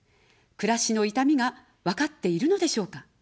暮らしの痛みがわかっているのでしょうか。